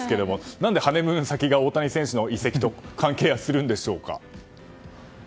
何でハネムーン先が大谷選手の移籍と関係するんでしょうか。